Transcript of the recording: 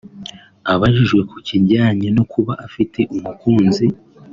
Abajijwe ku kijyanye no kuba afite umukunzi